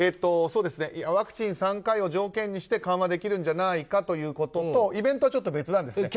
ワクチン３回を条件にして緩和できるんじゃないかということとイベントは別なんです。